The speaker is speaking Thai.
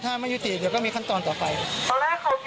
ถ้าไม่ยุติเดี๋ยวก็มีขั้นตอนต่อไปตอนแรกเขาคิดว่าหนูเป็นคนจัด